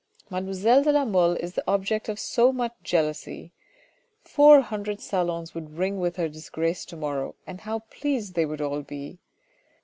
Mademoiselle de la Mole is the object of so much jealousy. Four hundred salons would ring with her disgrace to morrow, and how pleased they would all be.